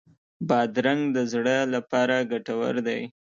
بادرنګ د زړه لپاره ګټور دی.